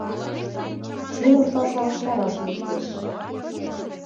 — Чумыр паша чараш лектеш.